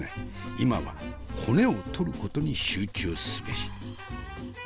今は骨を取ることに集中すべし。